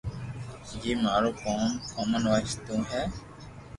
جيم مارو ڪوم ڪومن وائس تو ھي